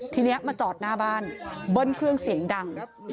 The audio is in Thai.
ทีนี้มาจอดหน้าบ้านเบิ้ลเครื่องเสียงดัง